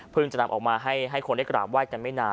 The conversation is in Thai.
จะนำออกมาให้คนได้กราบไห้กันไม่นาน